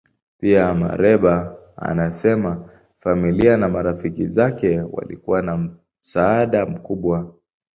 Pia, Mereba anasema familia na marafiki zake walikuwa na msaada mkubwa.